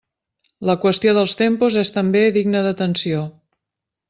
La qüestió dels tempos és també digna d'atenció.